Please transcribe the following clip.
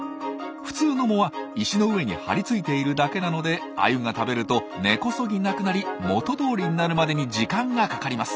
普通の藻は石の上に張り付いているだけなのでアユが食べると根こそぎなくなり元どおりになるまでに時間がかかります。